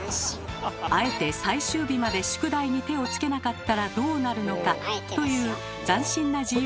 あえて最終日まで宿題に手を付けなかったらどうなるのか？という斬新な自由研究です。